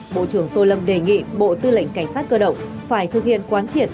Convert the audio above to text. bộ trưởng tô lâm đề nghị bộ thư lệnh cảnh sát cơ động phải thực hiện quán triển